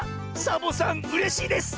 サボさんうれしいです！